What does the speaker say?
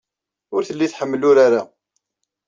Ur telli tḥemmel urar-a.